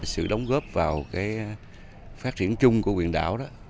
sự đóng góp vào phát triển chung của quyền đảo đó